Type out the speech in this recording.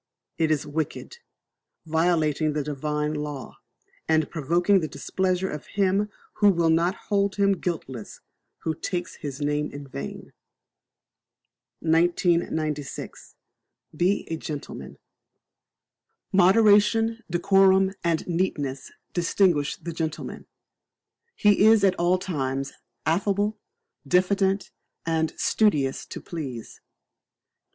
It is wicked, violating the Divine law, and provoking the displeasure of Him who will not hold him guiltless who takes His name in vain. 1996. Be a Gentleman. Moderation, decorum, and neatness distinguish the gentleman; he is at all times affable, diffident, and studious to please.